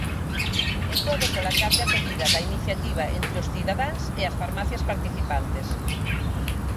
E todo pola grande acollida da iniciativa entre os cidadáns e as farmacias participantes.